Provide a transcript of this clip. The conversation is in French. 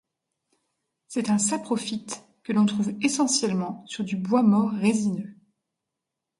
C'est un saprophyte que l'on trouve essentiellement sur du bois mort résineux.